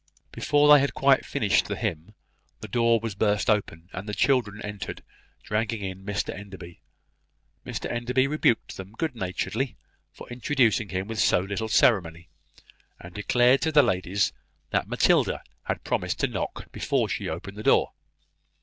Before they had quite finished the Hymn, the door was burst open, and the children entered, dragging in Mr Enderby. Mr Enderby rebuked them, good naturedly, for introducing him with so little ceremony, and declared to the ladies that Matilda had promised to knock before she opened the door.